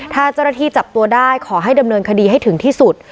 ถ้าเจ้าหน้าที่จับตัวได้ขอให้ดำเนินคดีให้ถึงที่สุด